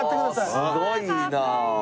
すごいなあ。